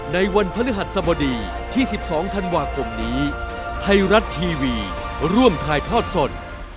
ในวันพฤหัสสบดีที่๑๒ธันวาคมนี้ไทยรัฐทีวีร่วมถ่ายทอดสด